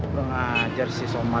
gak ngajar si soma